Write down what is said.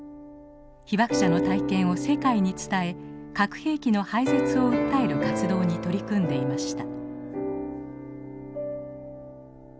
被爆者の体験を世界に伝え核兵器の廃絶を訴える活動に取り組んでいました。